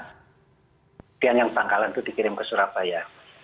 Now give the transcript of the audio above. kemudian yang bangkalan itu dikirim ke surabaya